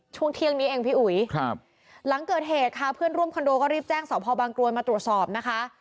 ช่วงเที่ยงนี้เองพี่อุ๋ยครับหลังเกิดเหตุค่ะเพื่อนร่วมคอนโดก็รีบแจ้งสพบางกรวยมาตรวจสอบนะคะ